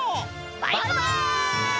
バイバイ！